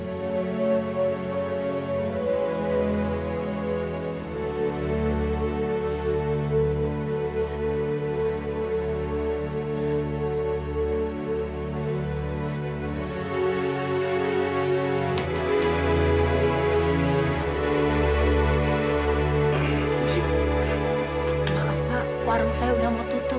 maaf pak warung saya udah mau tutup